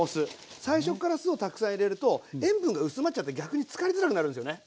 最初っから酢をたくさん入れると塩分が薄まっちゃって逆に漬かりづらくなるんですよね。